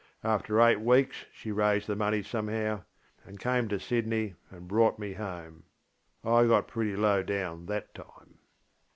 After eight weeks she raised the money somehow and came to Sydney and brought me home. I got pretty low down that time.)